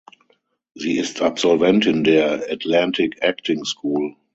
Sie ist Absolventin der Atlantic Acting School.